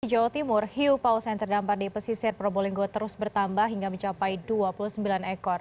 di jawa timur hiu paus yang terdampar di pesisir probolinggo terus bertambah hingga mencapai dua puluh sembilan ekor